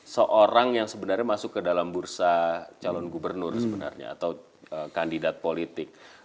seorang yang sebenarnya masuk ke dalam bursa calon gubernur sebenarnya atau kandidat politik